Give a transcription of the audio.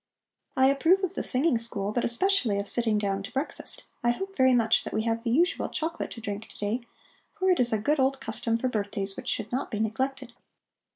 "I approve of the singing school, but especially of sitting down to breakfast. I hope very much that we have the usual chocolate to drink to day, for it is a good old custom for birthdays which should not be neglected.